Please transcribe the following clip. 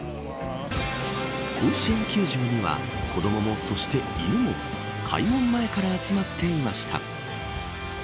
甲子園球場には子どもも、そして犬も開門前から集まっていました。